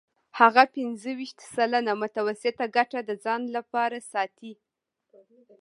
هغه پنځه ویشت سلنه متوسطه ګټه د ځان لپاره ساتي